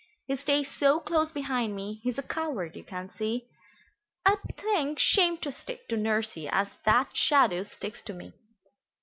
He stays so close behind me, he's a coward you can see; I'd think shame to stick to nursie as that shadow sticks to me!